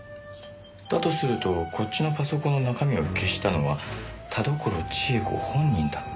だとするとこっちのパソコンの中身を消したのは田所千枝子本人だった。